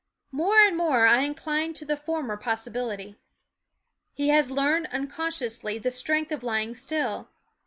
More and more I incline to the former possibility. He has learned unconsciously the strength of lying still.